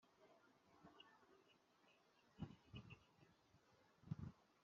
gushakashaka, gusoma, kwandika, gutekereza no gutanga ubutumwa